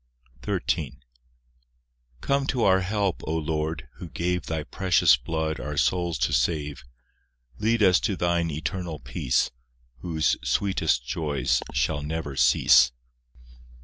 XIII Come to our help, O Lord, who gave Thy precious blood our souls to save; Lead us to Thine eternal peace, Whose sweetest joys shall never cease.